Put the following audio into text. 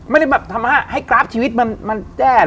ไม่ได้แบบทำให้กราฟชีวิตมันแจ้